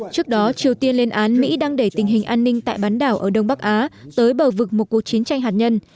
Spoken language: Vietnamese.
trước đó triều tiên lên án mỹ đang đẩy tình hình an ninh tại bán đảo ở đông bắc á tới bờ vực một cuộc chiến tranh hạt nhân